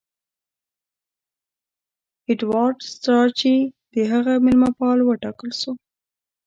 ایډوارډ سټراچي د هغه مېلمه پال وټاکل سو.